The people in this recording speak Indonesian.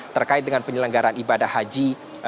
terkait dengan penyelenggaraan ibadah haji dua ribu dua puluh tiga